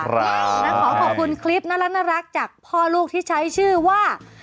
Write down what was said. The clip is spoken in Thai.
แล้วขอขอบคุณคลิปน่ารักจากพ่อลูกที่ใช้ชื่อว่า